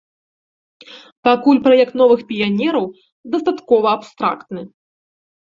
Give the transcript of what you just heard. Пакуль праект новых піянераў дастаткова абстрактны.